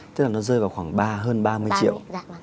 tức là nó rơi vào khoảng ba hơn ba mươi triệu